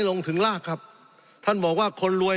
สงบจนจะตายหมดแล้วครับ